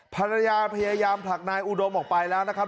ภรรยาพยายามผลักนายอุดมออกไปแล้วนะครับ